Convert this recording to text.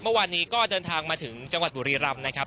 เมื่อวานนี้ก็เดินทางมาถึงจังหวัดบุรีรำนะครับ